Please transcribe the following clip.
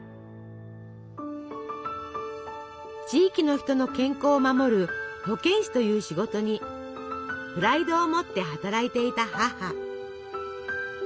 地域の人の健康を守る保健師という仕事にプライドを持って働いていた母。